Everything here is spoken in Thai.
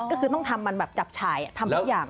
ก็คือต้องทำมันแบบจับฉายทำทุกอย่าง